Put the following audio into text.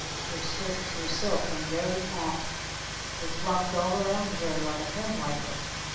Her skirts were silk and very fat. They fluffed all around her like a pen wiper.